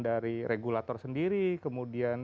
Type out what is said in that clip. dari regulator sendiri kemudian